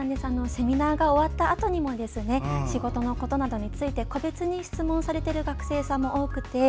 セミナーが終わったあとにも仕事のことなどについて個別に質問されている学生さんも多くて。